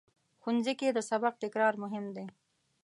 ښوونځی کې د سبق تکرار مهم دی